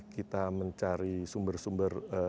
kita mencari sumber sumber